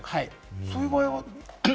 そういう場合は？